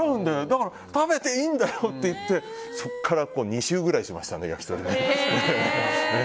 だから食べていいんだよって言ってそこから２周ぐらいしましたね。